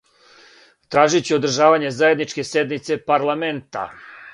Тражићу одржавање заједничке седнице парламента.